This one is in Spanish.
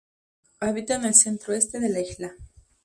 Habita en el centro-este de la isla.